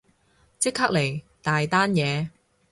即刻嚟，大單嘢